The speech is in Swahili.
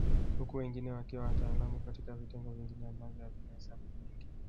Huku wengine wakiwa wataalamu katika vitengo vingine ambavyo havina hesabu nyingi